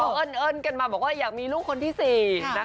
เหินกันมาบอกอยากมีลูกคนที่สี่